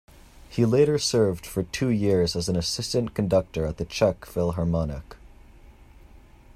He later served for two years as an assistant conductor at the Czech Philharmonic.